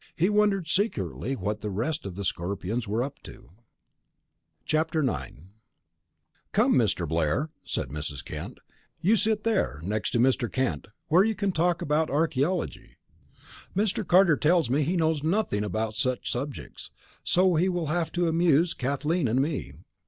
He wondered secretly what the rest of the Scorpions were up to. IX "Come, Mr. Blair," said Mrs. Kent; "you sit there, next to Mr. Kent, where you can talk about archaeology. Mr. Carter tells me he knows nothing about such subjects, so he will have to amuse Kathleen and me."